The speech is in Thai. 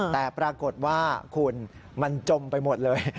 แต่ปรากฏว่าคุณมันจมไปหมดเลย